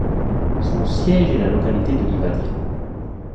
Son siège est la localité de Livadiá.